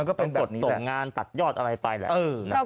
มันก็เป็นแบบนี้แหละเป็นกฎส่งงานตัดยอดอะไรไปแหละเออ